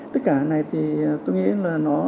tất cả này thì tôi nghĩ là nó